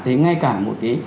thấy ngay cả một cái